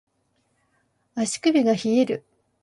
足首が冷える